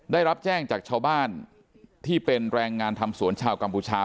ได้รับแจ้งจากชาวบ้านที่เป็นแรงงานทำสวนชาวกัมพูชา